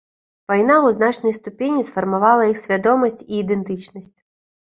Вайна ў значнай ступені сфармавала іх свядомасць і ідэнтычнасць.